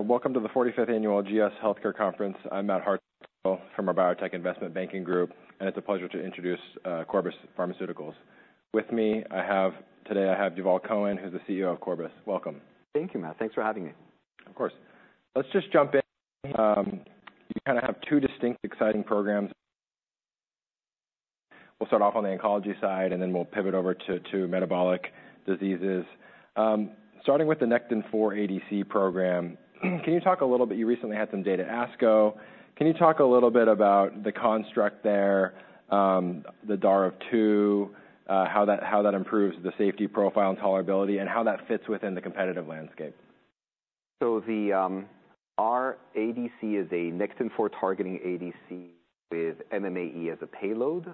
Hi. Welcome to the 45th Annual GS Healthcare Conference. I'm Matt Hart from our Biotech Investment Banking Group, and it's a pleasure to introduce Corbus Pharmaceuticals. With me today, I have Yuval Cohen, who's the CEO of Corbus. Welcome. Thank you, Matt. Thanks for having me. Of course. Let's just jump in. You kind of have two distinct, exciting programs. We'll start off on the oncology side, and then we'll pivot over to two metabolic diseases. Starting with the Nectin-4 ADC program, can you talk a little bit? You recently had some data at ASCO. Can you talk a little bit about the construct there, the DAR of two, how that improves the safety profile and tolerability, and how that fits within the competitive landscape? The CRB-701 is a Nectin-4 targeting ADC with MMAE as a payload,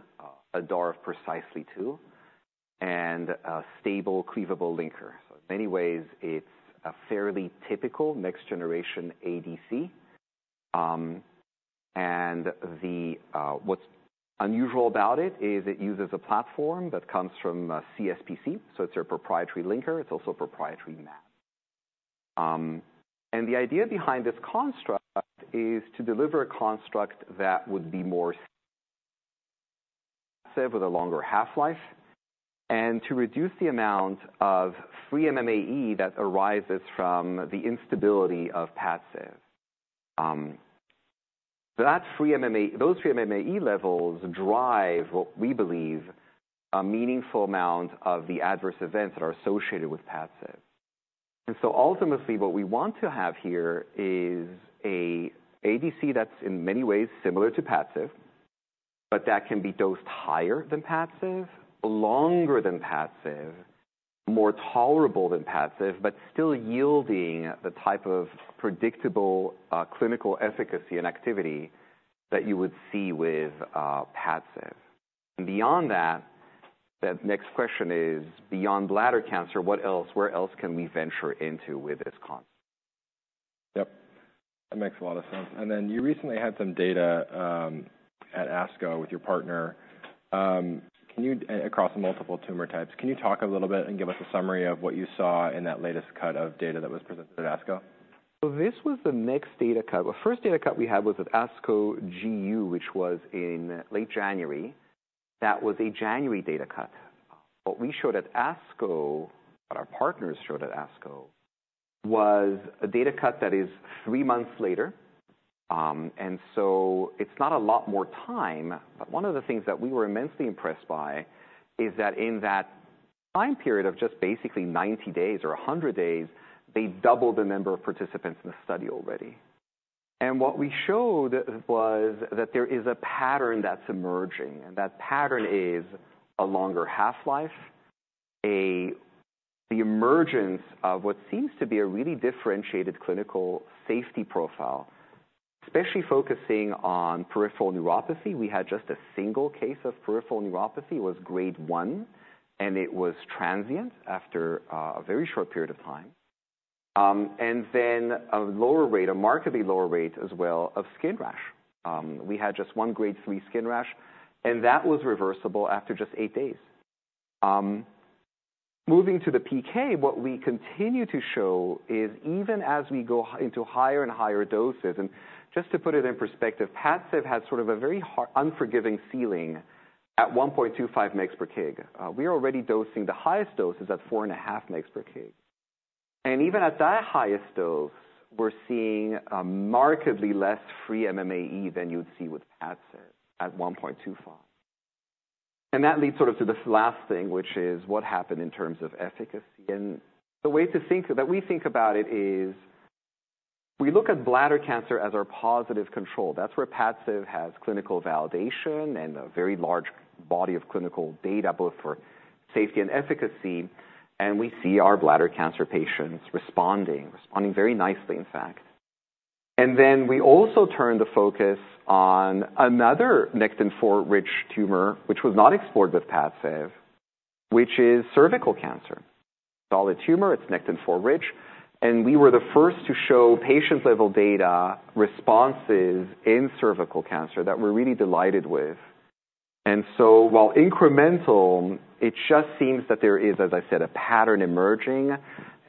a DAR of precisely two, and a stable, cleavable linker. In many ways, it's a fairly typical next-generation ADC. What's unusual about it is it uses a platform that comes from CSPC. It's a proprietary linker. It's also a proprietary mAb. The idea behind this construct is to deliver a construct that would be more like Padcev with a longer half-life, and to reduce the amount of free MMAE that arises from the instability of Padcev. Those free MMAE levels drive, what we believe, a meaningful amount of the adverse events that are associated with Padcev. Ultimately, what we want to have here is an ADC that's in many ways similar to Padcev, but that can be dosed higher than Padcev, longer than Padcev, more tolerable than Padcev, but still yielding the type of predictable clinical efficacy and activity that you would see with Padcev. Beyond that, that next question is, beyond bladder cancer, what else? Where else can we venture into with this concept? Yep. That makes a lot of sense. And then you recently had some data at ASCO with your partner across multiple tumor types. Can you talk a little bit and give us a summary of what you saw in that latest cut of data that was presented at ASCO? This was the next data cut. The first data cut we had was at ASCO GU, which was in late January. That was a January data cut. What we showed at ASCO, what our partners showed at ASCO, was a data cut that is three months later. It's not a lot more time, but one of the things that we were immensely impressed by is that in that time period of just basically 90 days or 100 days, they doubled the number of participants in the study already. What we showed was that there is a pattern that's emerging. That pattern is a longer half-life, the emergence of what seems to be a really differentiated clinical safety profile, especially focusing on peripheral neuropathy. We had just a single case of peripheral neuropathy. It was grade one, and it was transient after a very short period of time. And then a lower rate, a markedly lower rate as well of skin rash. We had just one grade three skin rash, and that was reversible after just eight days. Moving to the PK, what we continue to show is even as we go into higher and higher doses, and just to put it in perspective, Padcev has sort of a very unforgiving ceiling at 1.25 mg/kg. We are already dosing the highest doses at 4.5 mg/kg. And even at that highest dose, we're seeing markedly less free MMAE than you'd see with Padcev at 1.25. And that leads sort of to this last thing, which is what happened in terms of efficacy. The way to think that we think about it is we look at bladder cancer as our positive control. That's where Padcev has clinical validation and a very large body of clinical data, both for safety and efficacy. We see our bladder cancer patients responding, responding very nicely, in fact. Then we also turned the focus on another Nectin-4-rich tumor, which was not explored with Padcev, which is cervical cancer. It's also a tumor. It's Nectin-4-rich. We were the first to show patient-level data responses in cervical cancer that we're really delighted with. So while incremental, it just seems that there is, as I said, a pattern emerging,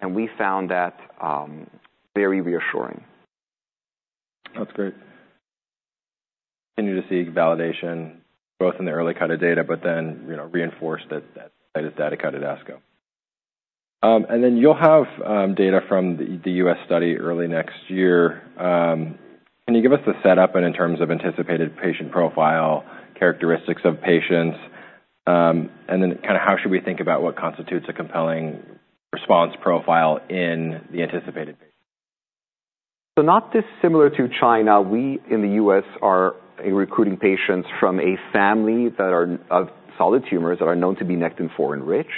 and we found that very reassuring. That's great. Continue to see validation both in the early cut of data, but then reinforce that data cut at ASCO, and then you'll have data from the U.S. study early next year. Can you give us the setup and in terms of anticipated patient profile characteristics of patients, and then kind of how should we think about what constitutes a compelling response profile in the anticipated? Not dissimilar to China, we in the U.S. are recruiting patients from a family that are of solid tumors that are known to be Nectin-4-enriched.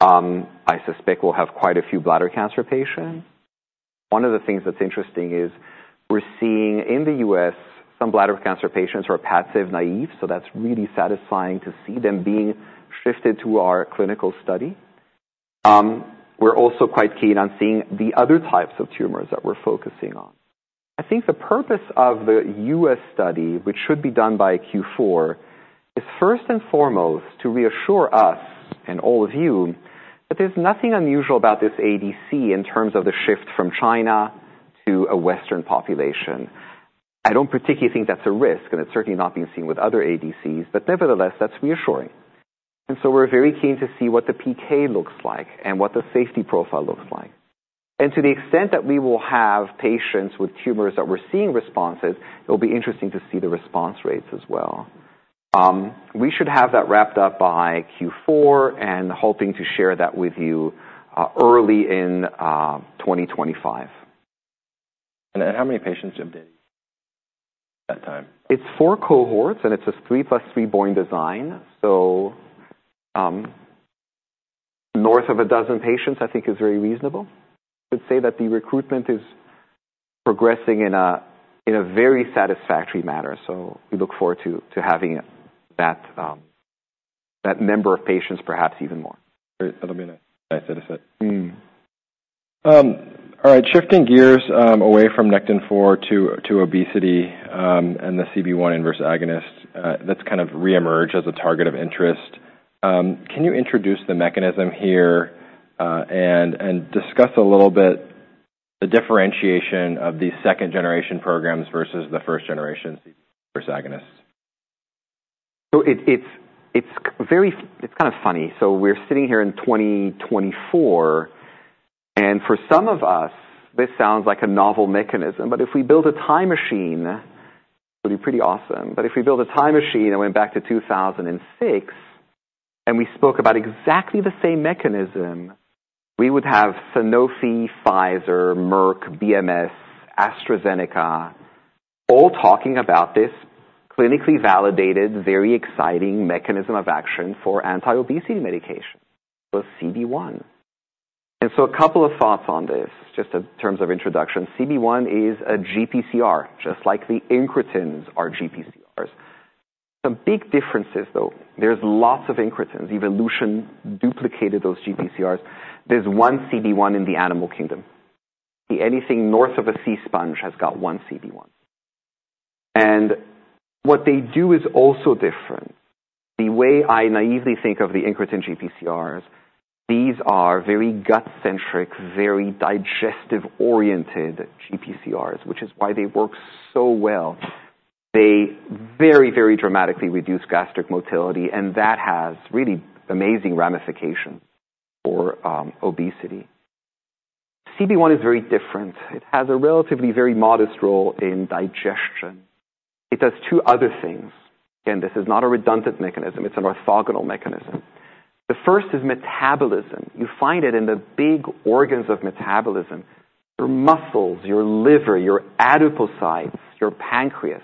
I suspect we'll have quite a few bladder cancer patients. One of the things that's interesting is we're seeing in the U.S. some bladder cancer patients who are Padcev-naive. So that's really satisfying to see them being shifted to our clinical study. We're also quite keen on seeing the other types of tumors that we're focusing on. I think the purpose of the U.S. study, which should be done by Q4, is first and foremost to reassure us and all of you that there's nothing unusual about this ADC in terms of the shift from China to a Western population. I don't particularly think that's a risk, and it's certainly not being seen with other ADCs, but nevertheless, that's reassuring. And so we're very keen to see what the PK looks like and what the safety profile looks like. And to the extent that we will have patients with tumors that we're seeing responses, it'll be interesting to see the response rates as well. We should have that wrapped up by Q4 and hoping to share that with you early in 2025. How many patients did you update at that time? It's four cohorts, and it's a 3 plus 3 BOIN design. So north of a dozen patients, I think, is very reasonable. I would say that the recruitment is progressing in a very satisfactory manner. So we look forward to having that number of patients perhaps even more. Great. That'll be nice. That's it. All right. Shifting gears away from Nectin-4 to obesity and the CB1 inverse agonist that's kind of reemerged as a target of interest. Can you introduce the mechanism here and discuss a little bit the differentiation of these second-generation programs versus the first-generation inverse agonists? So it's kind of funny. So we're sitting here in 2024. And for some of us, this sounds like a novel mechanism, but if we build a time machine, it would be pretty awesome. But if we build a time machine and went back to 2006 and we spoke about exactly the same mechanism, we would have Sanofi, Pfizer, Merck, BMS, AstraZeneca all talking about this clinically validated, very exciting mechanism of action for anti-obesity medication, CB1. And so a couple of thoughts on this, just in terms of introduction. CB1 is a GPCR, just like the incretins are GPCRs. Some big differences, though. There's lots of incretins. Evolution duplicated those GPCRs. There's one CB1 in the animal kingdom. Anything north of a sea sponge has got one CB1. And what they do is also different. The way I naively think of the incretin GPCRs, these are very gut-centric, very digestive-oriented GPCRs, which is why they work so well. They very, very dramatically reduce gastric motility, and that has really amazing ramifications for obesity. CB1 is very different. It has a relatively very modest role in digestion. It does two other things. Again, this is not a redundant mechanism. It's an orthogonal mechanism. The first is metabolism. You find it in the big organs of metabolism: your muscles, your liver, your adipocytes, your pancreas,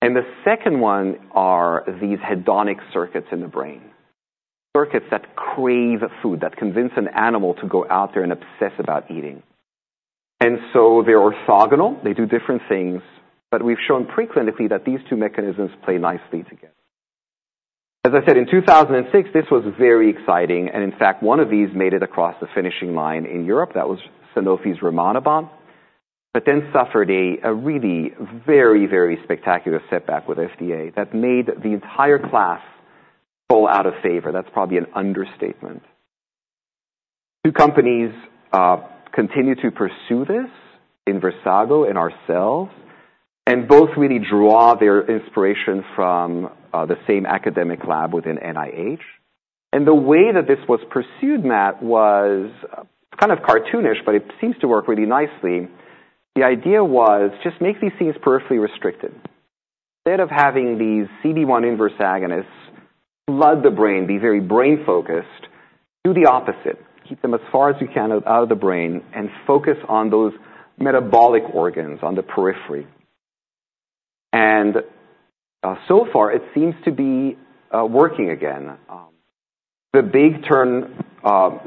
and the second one are these hedonic circuits in the brain, circuits that crave food, that convince an animal to go out there and obsess about eating, and so they're orthogonal. They do different things, but we've shown pre-clinically that these two mechanisms play nicely together. As I said, in 2006, this was very exciting. In fact, one of these made it across the finishing line in Europe. That was Sanofi's Rimonabant, but then suffered a really very, very spectacular setback with FDA that made the entire class fall out of favor. That's probably an understatement. Two companies continue to pursue this: Inversago and ourselves, and both really draw their inspiration from the same academic lab within NIH. The way that this was pursued, Matt, was kind of cartoonish, but it seems to work really nicely. The idea was just make these things perfectly restricted. Instead of having these CB1 inverse agonists flood the brain, be very brain-focused, do the opposite. Keep them as far as you can out of the brain and focus on those metabolic organs on the periphery. So far, it seems to be working again. The big turn,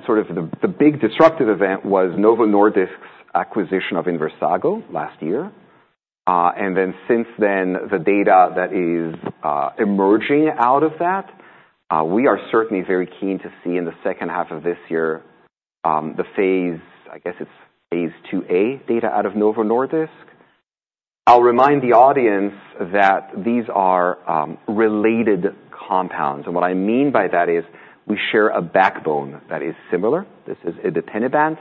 sort of the big disruptive event was Novo Nordisk's acquisition of Inversago last year, and then since then, the data that is emerging out of that, we are certainly very keen to see in the second half of this year the phase, I guess it's phase 2A data out of Novo Nordisk. I'll remind the audience that these are related compounds, and what I mean by that is we share a backbone that is similar. This is Ibipinabant.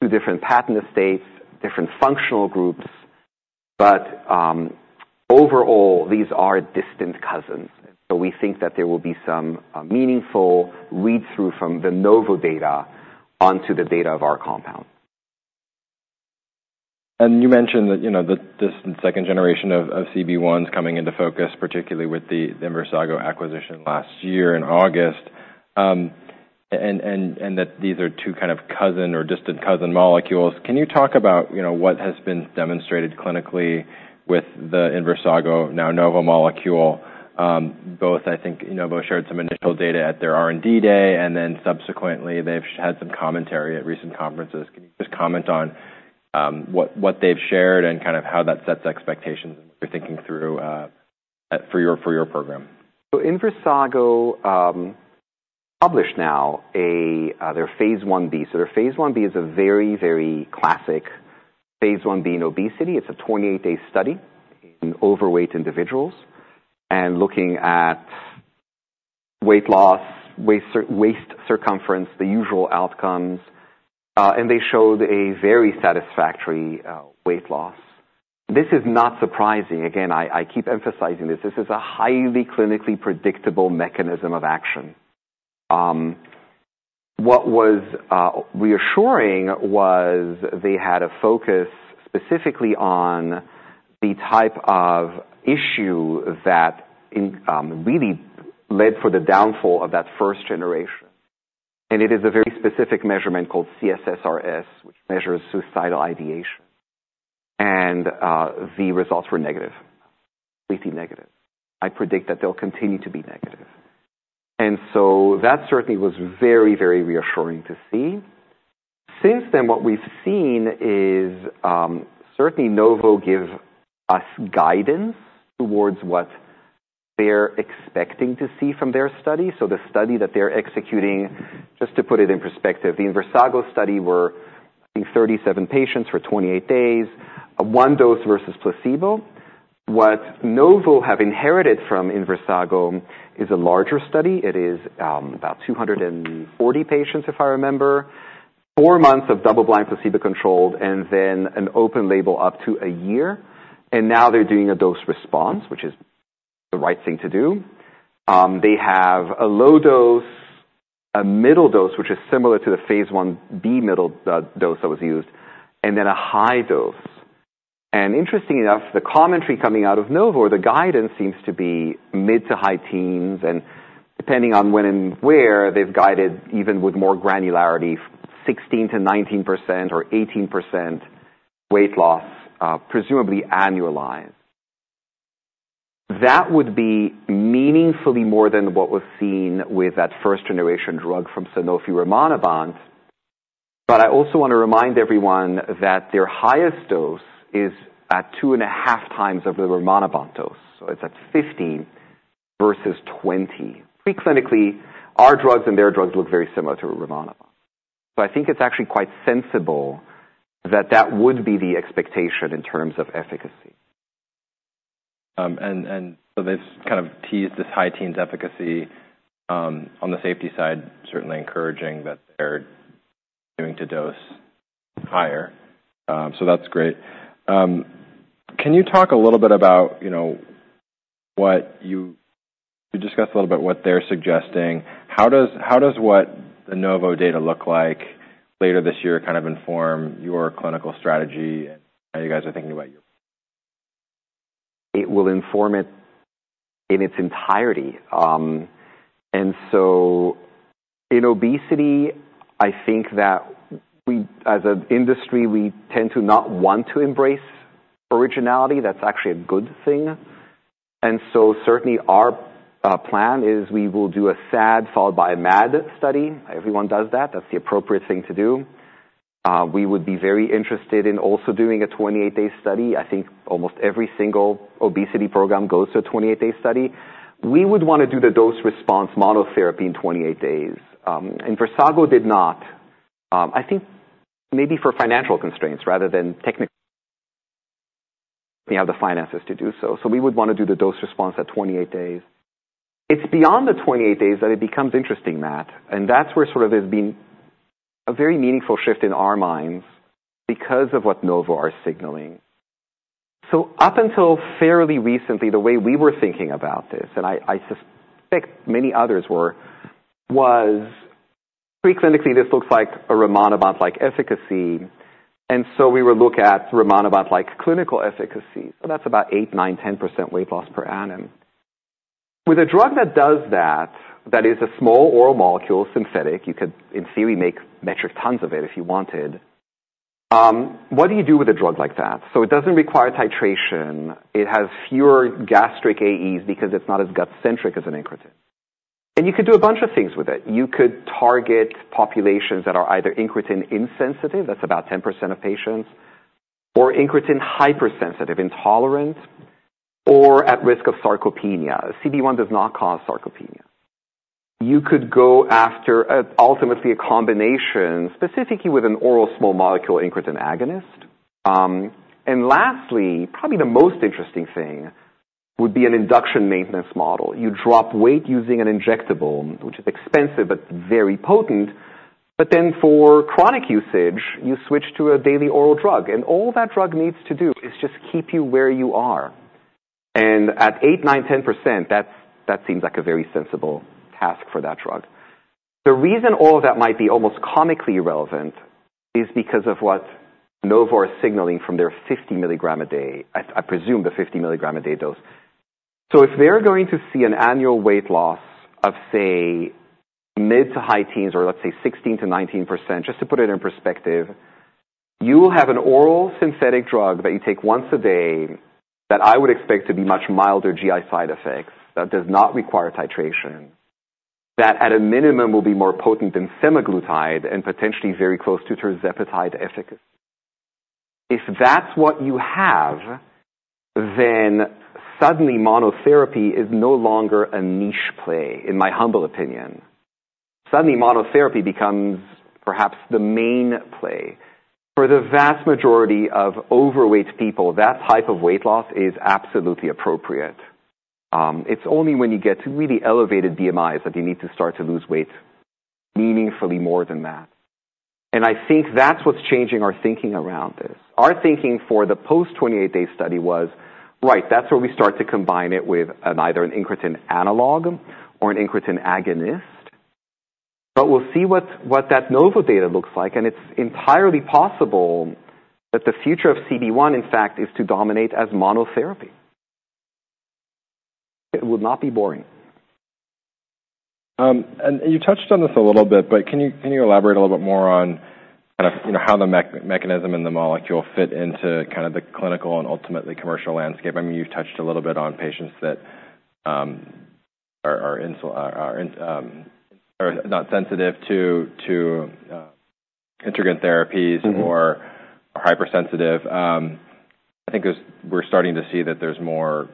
Two different patent estates, different functional groups, but overall, these are distant cousins. So we think that there will be some meaningful read-through from the Novo data onto the data of our compound. You mentioned that this second generation of CB1s coming into focus, particularly with the Inversago acquisition last year in August, and that these are two kind of cousin or distant cousin molecules. Can you talk about what has been demonstrated clinically with the Inversago now Novo molecule? Both, I think Novo shared some initial data at their R&D day, and then subsequently they've had some commentary at recent conferences. Can you just comment on what they've shared and kind of how that sets expectations and what you're thinking through for your program? Inversago published now their phase 1b. Their phase 1b is a very, very classic phase 1b in obesity. It's a 28-day study in overweight individuals and looking at weight loss, waist circumference, the usual outcomes. They showed a very satisfactory weight loss. This is not surprising. Again, I keep emphasizing this. This is a highly clinically predictable mechanism of action. What was reassuring was they had a focus specifically on the type of issue that really led for the downfall of that first generation. It is a very specific measurement called C-SSRS, which measures suicidal ideation. The results were negative, completely negative. I predict that they'll continue to be negative. That certainly was very, very reassuring to see. Since then, what we've seen is certainly Novo gives us guidance towards what they're expecting to see from their study. So the study that they're executing, just to put it in perspective, the Inversago study where 37 patients for 28 days, one dose versus placebo. What Novo have inherited from Inversago is a larger study. It is about 240 patients, if I remember, four months of double-blind, placebo-controlled, and then an open label up to a year. And now they're doing a dose response, which is the right thing to do. They have a low dose, a middle dose, which is similar to the phase 1B middle dose that was used, and then a high dose. And interesting enough, the commentary coming out of Novo, the guidance seems to be mid to high teens. And depending on when and where, they've guided even with more granularity, 16%-19% or 18% weight loss, presumably annualized. That would be meaningfully more than what was seen with that first-generation drug from Sanofi Rimonabant. But I also want to remind everyone that their highest dose is at two and a half times of the Rimonabant dose. So it's at 15 versus 20. Pre-clinically, our drugs and their drugs look very similar to Rimonabant. So I think it's actually quite sensible that that would be the expectation in terms of efficacy. And so they've kind of teased this high teens efficacy on the safety side, certainly encouraging that they're aiming to dose higher. So that's great. Can you talk a little bit about what you discussed a little bit what they're suggesting? How does what the Novo data look like later this year kind of inform your clinical strategy and how you guys are thinking about your? It will inform it in its entirety. And so in obesity, I think that as an industry, we tend to not want to embrace originality. That's actually a good thing. And so certainly our plan is we will do a SAD followed by a MAD study. Everyone does that. That's the appropriate thing to do. We would be very interested in also doing a 28-day study. I think almost every single obesity program goes to a 28-day study. We would want to do the dose response monotherapy in 28 days. Inversago did not. I think maybe for financial constraints rather than technically having the finances to do so. So we would want to do the dose response at 28 days. It's beyond the 28 days that it becomes interesting, Matt, and that's where sort of there's been a very meaningful shift in our minds because of what Novo are signaling. Up until fairly recently, the way we were thinking about this, and I suspect many others were, was pre-clinically this looks like a Rimonabant-like efficacy. And so we were looking at Rimonabant-like clinical efficacy. That's about eight, nine, 10% weight loss per annum. With a drug that does that, that is a small oral molecule, synthetic, you could in theory make metric tons of it if you wanted. What do you do with a drug like that? It doesn't require titration. It has fewer gastric AEs because it's not as gut-centric as an incretin. And you could do a bunch of things with it. You could target populations that are either incretin insensitive, that's about 10% of patients, or incretin hypersensitive, intolerant, or at risk of sarcopenia. CB1 does not cause sarcopenia. You could go after ultimately a combination specifically with an oral small molecule incretin agonist. And lastly, probably the most interesting thing would be an induction maintenance model. You drop weight using an injectable, which is expensive but very potent. But then for chronic usage, you switch to a daily oral drug. And all that drug needs to do is just keep you where you are. And at eight, nine, 10%, that seems like a very sensible task for that drug. The reason all of that might be almost comically irrelevant is because of what Novo is signaling from their 50 milligram a day, I presume the 50 milligram a day dose. So if they're going to see an annual weight loss of, say, mid to high teens or let's say 16%-19%, just to put it in perspective, you will have an oral synthetic drug that you take once a day that I would expect to be much milder GI side effects that does not require titration, that at a minimum will be more potent than semaglutide and potentially very close to tirzepatide efficacy. If that's what you have, then suddenly monotherapy is no longer a niche play, in my humble opinion. Suddenly monotherapy becomes perhaps the main play. For the vast majority of overweight people, that type of weight loss is absolutely appropriate. It's only when you get to really elevated BMIs that you need to start to lose weight meaningfully more than that. And I think that's what's changing our thinking around this. Our thinking for the post-28-day study was, right, that's where we start to combine it with either an incretin analog or an incretin agonist. But we'll see what that Novo data looks like. And it's entirely possible that the future of CB1, in fact, is to dominate as monotherapy. It will not be boring. And you touched on this a little bit, but can you elaborate a little bit more on kind of how the mechanism and the molecule fit into kind of the clinical and ultimately commercial landscape? I mean, you've touched a little bit on patients that are not sensitive to incretin therapies or hypersensitive. I think we're starting to see that there's more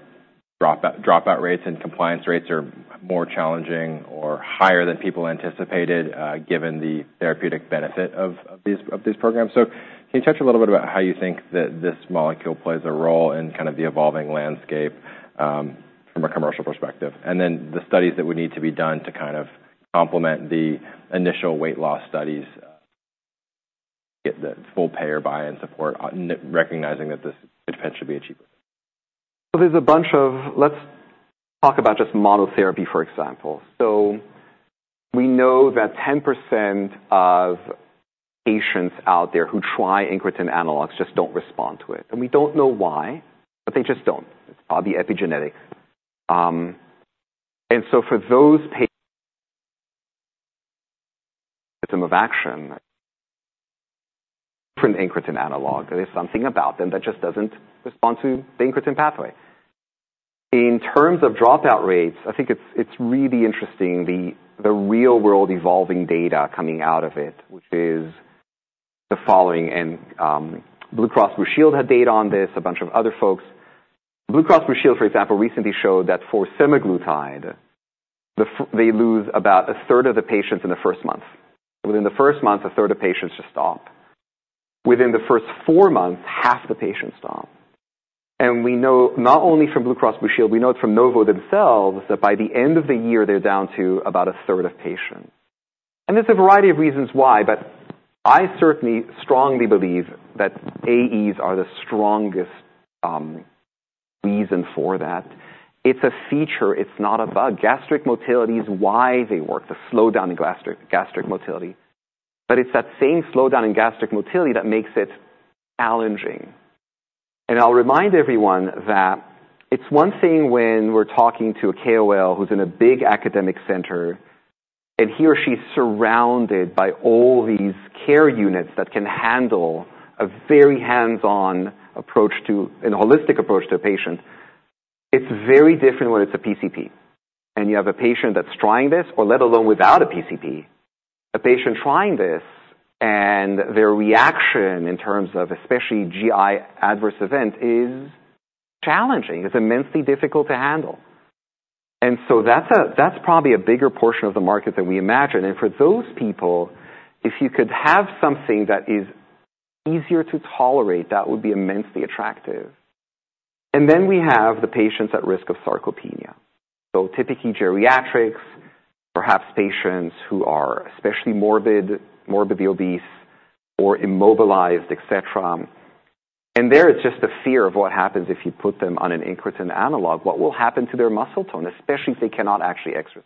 dropout rates and compliance rates are more challenging or higher than people anticipated given the therapeutic benefit of these programs. So can you touch a little bit about how you think that this molecule plays a role in kind of the evolving landscape from a commercial perspective? And then the studies that would need to be done to kind of complement the initial weight loss studies, get the full payer buy-in support, recognizing that this could potentially be achieved. There's a bunch. Let's talk about just monotherapy, for example. We know that 10% of patients out there who try incretin analogs just don't respond to it. We don't know why, but they just don't. It's probably epigenetic. For those patients, system of action, incretin analog, there's something about them that just doesn't respond to the incretin pathway. In terms of dropout rates, I think it's really interesting, the real-world evolving data coming out of it, which is the following. Blue Cross Blue Shield had data on this, a bunch of other folks. Blue Cross Blue Shield, for example, recently showed that for semaglutide, they lose about a third of the patients in the first month. Within the first month, a third of patients just stop. Within the first four months, half the patients stop. And we know not only from Blue Cross Blue Shield, we know it from Novo themselves that by the end of the year, they're down to about a third of patients. And there's a variety of reasons why, but I certainly strongly believe that AEs are the strongest reason for that. It's a feature. It's not a bug. Gastric motility is why they work, the slowdown in gastric motility. But it's that same slowdown in gastric motility that makes it challenging. And I'll remind everyone that it's one thing when we're talking to a KOL who's in a big academic center and he or she's surrounded by all these care units that can handle a very hands-on approach to and holistic approach to a patient. It's very different when it's a PCP. And you have a patient that's trying this, or let alone without a PCP, a patient trying this and their reaction in terms of especially GI adverse event is challenging. It's immensely difficult to handle. And so that's probably a bigger portion of the market than we imagine. And for those people, if you could have something that is easier to tolerate, that would be immensely attractive. And then we have the patients at risk of sarcopenia. So typically geriatrics, perhaps patients who are especially morbidly obese or immobilized, etc. And there is just a fear of what happens if you put them on an incretin analog, what will happen to their muscle tone, especially if they cannot actually exercise.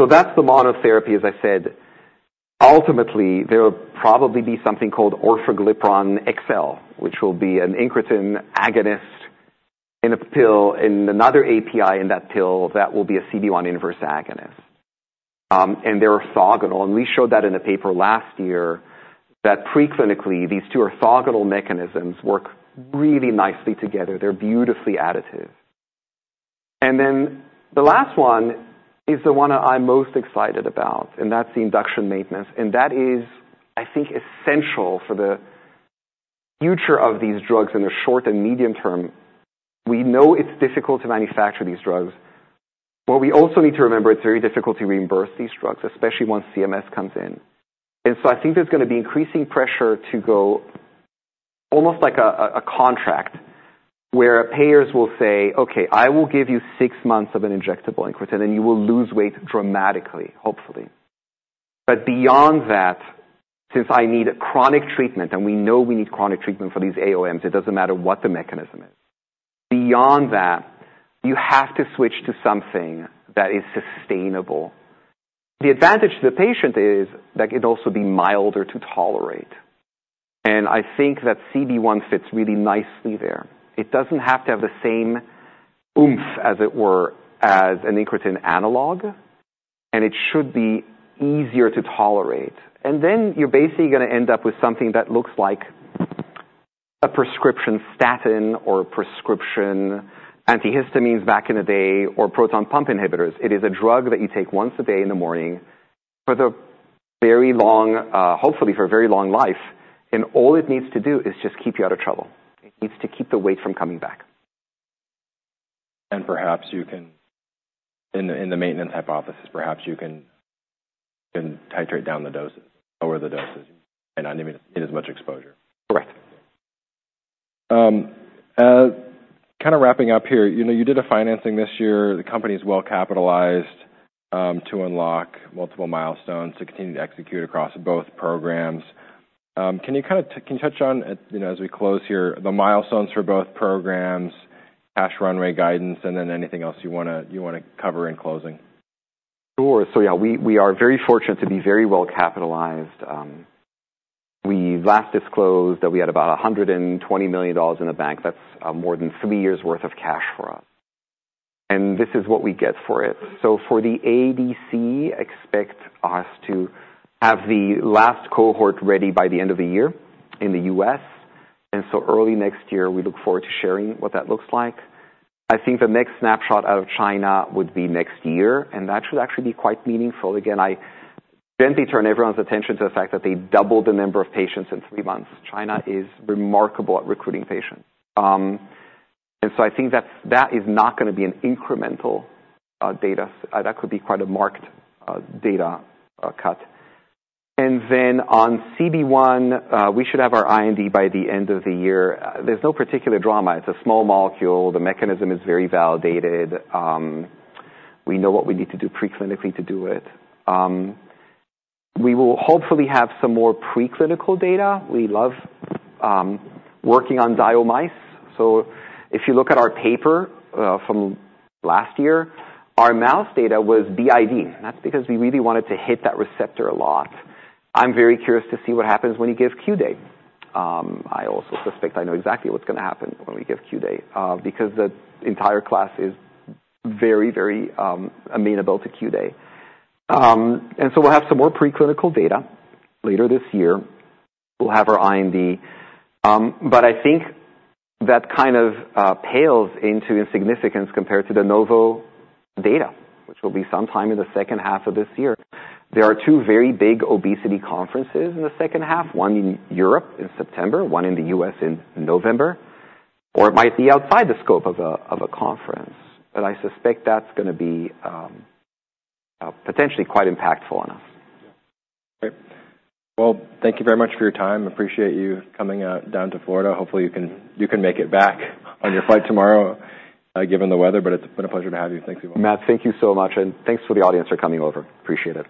So that's the monotherapy, as I said. Ultimately, there will probably be something called Orforglipron XL, which will be an incretin agonist in another API in that pill that will be a CB1 inverse agonist, and they're orthogonal. And we showed that in a paper last year that pre-clinically, these two orthogonal mechanisms work really nicely together. They're beautifully additive, and then the last one is the one I'm most excited about. And that's the induction maintenance, and that is, I think, essential for the future of these drugs in the short and medium term. We know it's difficult to manufacture these drugs. What we also need to remember, it's very difficult to reimburse these drugs, especially once CMS comes in. And so I think there's going to be increasing pressure to go almost like a contract where payers will say, "Okay, I will give you six months of an injectable incretin and you will lose weight dramatically, hopefully." But beyond that, since I need chronic treatment and we know we need chronic treatment for these AOMs, it doesn't matter what the mechanism is. Beyond that, you have to switch to something that is sustainable. The advantage to the patient is that it can also be milder to tolerate. And I think that CB1 fits really nicely there. It doesn't have to have the same oomph, as it were, as an incretin analog. And then you're basically going to end up with something that looks like a prescription statin or prescription antihistamines back in the day or proton pump inhibitors. It is a drug that you take once a day in the morning for the very long, hopefully for a very long life, and all it needs to do is just keep you out of trouble. It needs to keep the weight from coming back. Perhaps you can, in the maintenance hypothesis, perhaps you can titrate down the doses, lower the doses and not need as much exposure. Correct. Kind of wrapping up here, you did a financing this year. The company is well capitalized to unlock multiple milestones to continue to execute across both programs. Can you kind of touch on, as we close here, the milestones for both programs, cash runway guidance, and then anything else you want to cover in closing? Sure. So yeah, we are very fortunate to be very well capitalized. We last disclosed that we had about $120 million in the bank. That's more than three years' worth of cash for us. And this is what we get for it. So for the ADC, expect us to have the last cohort ready by the end of the year in the U.S. And so early next year, we look forward to sharing what that looks like. I think the next snapshot out of China would be next year. And that should actually be quite meaningful. Again, I gently turn everyone's attention to the fact that they doubled the number of patients in three months. China is remarkable at recruiting patients. And so I think that that is not going to be an incremental data. That could be quite a marked data cut. On CB1, we should have our IND by the end of the year. There's no particular drama. It's a small molecule. The mechanism is very validated. We know what we need to do pre-clinically to do it. We will hopefully have some more pre-clinical data. We love working on DIO mice. If you look at our paper from last year, our mouse data was BID. That's because we really wanted to hit that receptor a lot. I'm very curious to see what happens when you give Q-Day. I also suspect I know exactly what's going to happen when we give Q-Day because the entire class is very, very amenable to Q-Day. We'll have some more pre-clinical data later this year. We'll have our IND. But I think that kind of pales into insignificance compared to the Novo data, which will be sometime in the second half of this year. There are two very big obesity conferences in the second half, one in Europe in September, one in the US in November. Or it might be outside the scope of a conference. But I suspect that's going to be potentially quite impactful on us. Great. Well, thank you very much for your time. Appreciate you coming down to Florida. Hopefully, you can make it back on your flight tomorrow given the weather. But it's been a pleasure to have you. Thanks again. Matt, thank you so much, and thanks for the audience for coming over. Appreciate it.